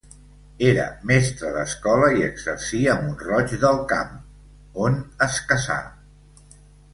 Era mestre d'escola i exercí a Mont-roig del Camp, on es casà.